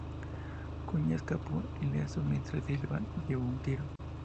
Cunha escapó ileso, mientras Silva llevó un tiro.